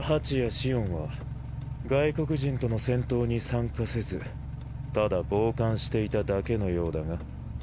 紫音は外国人との戦闘に参加せずただ傍観していただけのようだが？